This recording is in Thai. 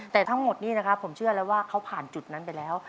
แต่ทั้งหมดนี้นะครับผมเชื่อแล้วว่าเขาผ่านจุดนั้นไปแล้ว